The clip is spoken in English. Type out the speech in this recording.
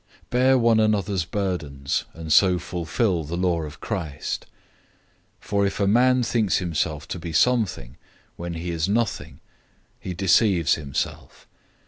006:002 Bear one another's burdens, and so fulfill the law of Christ. 006:003 For if a man thinks himself to be something when he is nothing, he deceives himself.